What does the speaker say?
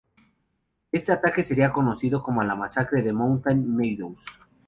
Este ataque sería conocido como la Masacre de Mountain Meadows.